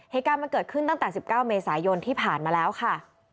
เหตุการณ์มันเกิดขึ้นตั้งแต่๑๙เมษายนที่ผ่านมาแล้วค่ะ